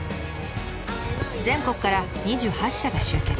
全国から２８社が集結。